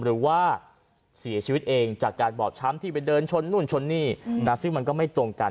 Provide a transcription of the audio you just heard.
หรือว่าสีเหยชีวิตเองจากการบอบช้ำที่ชนนู่นนู่นนี้ซึ่งมันก็ไม่ตรงกัน